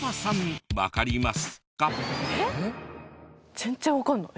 全然わかんない。